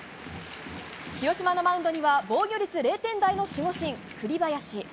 広島のマウンドには防御率０点台の守護神、栗林。